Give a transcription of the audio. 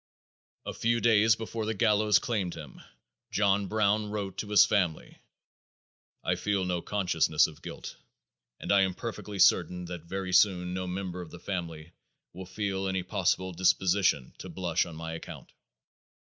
A few days before the gallows claimed him, John Brown wrote to his family, "I feel no consciousness of guilt and I am perfectly certain that very soon no member of the family will feel any possible disposition to blush on my account."